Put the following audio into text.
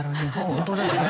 本当ですね。